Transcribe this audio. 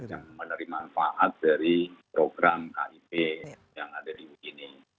yang menerima manfaat dari program kip yang ada di ui ini